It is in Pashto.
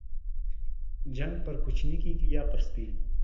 جنگ پر کوچني کېږي ، يا پر سپي.